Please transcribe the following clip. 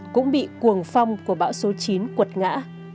cũng bị cuồng phong của bão số chín quật ngã